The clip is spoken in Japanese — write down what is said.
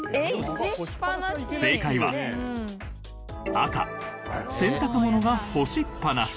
正解は赤洗濯物が干しっぱなし。